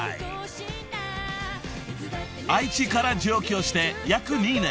［愛知から上京して約２年。